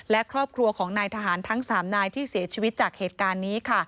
และครอบครัวของนายทหารทั้ง๓นายที่เสียชีวิตจากเหตุการณ์นี้ค่ะ